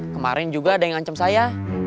kemarin juga ada yang ngancam saya